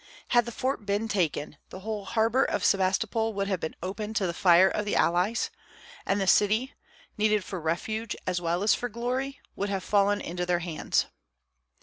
Had the Star Fort been taken, the whole harbor of Sebastopol would have been open to the fire of the allies, and the city needed for refuge as well as for glory would have fallen into their hands.